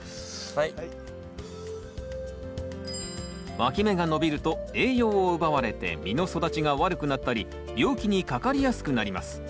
わき芽が伸びると栄養を奪われて実の育ちが悪くなったり病気にかかりやすくなります